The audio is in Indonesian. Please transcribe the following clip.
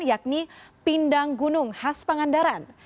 yakni pindang gunung khas pangandaran